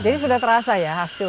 jadi sudah terasa ya hasilnya